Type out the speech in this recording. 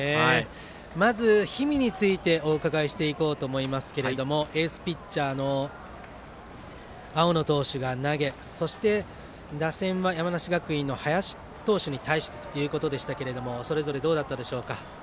まず氷見についてお伺いしていこうと思いますけどエースピッチャーの青野投手が投げそして、打線は山梨学院の林投手に対してということでしたけどもそれぞれどうだったでしょうか。